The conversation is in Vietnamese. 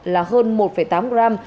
là hơn một tám gram